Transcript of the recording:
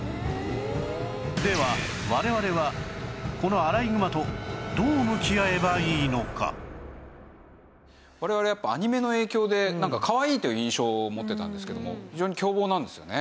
では我々はこの我々やっぱりアニメの影響でなんかかわいいという印象を持ってたんですけども非常に凶暴なんですよね？